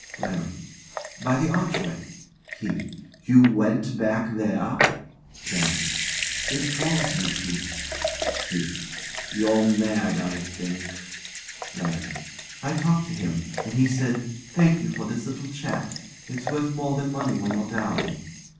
LARRY. By the archway. KEITH. You went back there? LARRY. It draws you, Keith. KErra. You're mad, I think. LARRY. I talked to him, and he said, "Thank you for this little chat. It's worth more than money when you're down."